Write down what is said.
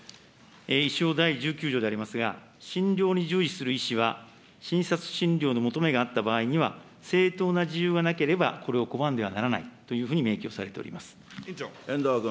医師法第１９条でございますが、診療に従事する医師は、診察診療の求めがあった場合には、正当な事由がなければこれを拒んではならないというふうに名記を遠藤君。